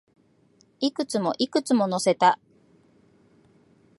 いくつも、いくつも乗せた